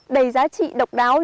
đầy giá trị độc đáo